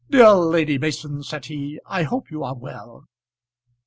"Dear Lady Mason," said he, "I hope you are well."